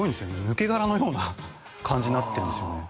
抜け殻のような感じになってるんですよね